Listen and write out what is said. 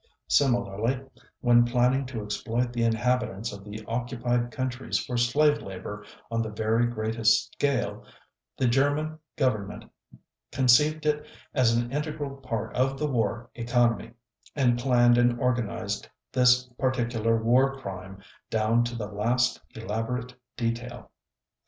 Similarly, when planning to exploit the inhabitants of the occupied countries for slave labor on the very greatest scale, the German Government conceived it as an integral part of the war economy, and planned and organized this particular War Crime down to the last elaborate detail.